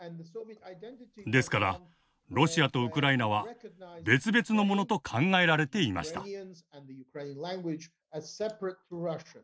ですからロシアとウクライナは別々のものと考えられていました。